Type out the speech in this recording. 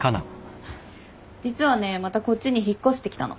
実はねまたこっちに引っ越してきたの。